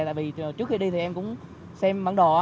tại vì trước khi đi thì em cũng xem bản đồ